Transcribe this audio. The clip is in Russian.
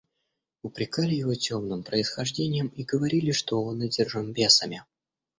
Упрекали его темным происхождением и говорили, что он одержим бесами.